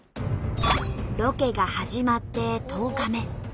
ロケが始まって１０日目。